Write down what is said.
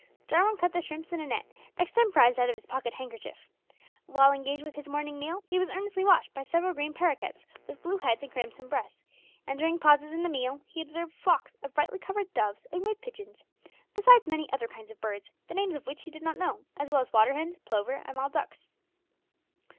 Jarwin caught the shrimps in a net, extemporised out of his pocket handkerchief. While engaged with his morning meal, he was earnestly watched by several green paroquets with blue heads and crimson breasts; and during pauses in the meal he observed flocks of brightly coloured doves and wood pigeons, besides many other kinds of birds, the names of which he did not know, as well as water hens, plover, and wild ducks.